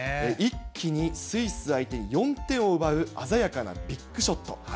一気にスイス相手に４点を奪う鮮やかなビッグショット。